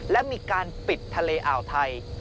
และมีการปิดทะเลอ่าวไทย